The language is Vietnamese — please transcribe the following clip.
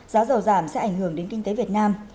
giá dầu giảm sẽ ảnh hưởng đến kinh tế việt nam